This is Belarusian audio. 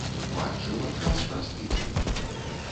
Матчы ў адказ праз тыдзень.